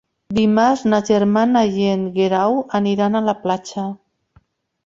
Dimarts na Gemma i en Guerau aniran a la platja.